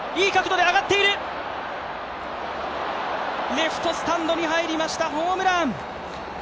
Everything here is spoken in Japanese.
レフトスタンドに入りました、ホームラン。